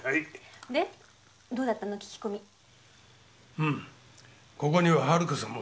うんここには春子さんも来てる。